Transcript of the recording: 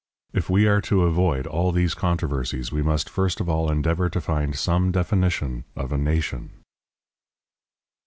If we are to avoid all these controversies, we must first of all endeavor to find some definition of a nation.